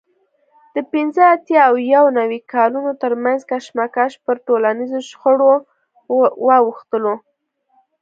د پینځه اتیا او یو نوي کالونو ترمنځ کشمکش پر ټولنیزو شخړو واوښتلو